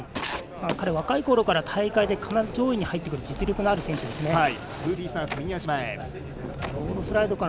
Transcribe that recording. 彼は若いころから大会で上位に入ってくる実力のある選手ですね。